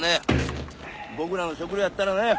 僕らの食料やったらね